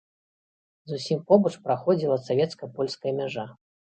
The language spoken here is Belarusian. Зусім побач праходзіла савецка-польская мяжа.